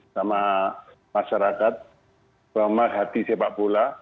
sama masyarakat bama hati sepak bula